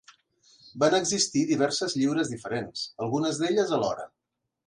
Van existir diverses lliures diferents, algunes d'elles alhora.